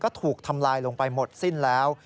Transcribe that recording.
ก็ถูกทำลายลงไปหมดสิ้นแล้ว